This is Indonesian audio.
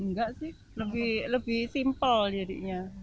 enggak sih lebih simple jadinya